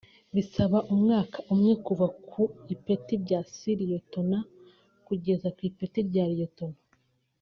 Bisaba umwaka umwe kuva ku ipeti rya Su -Liyetona kugera ku ipeti rya Liyetona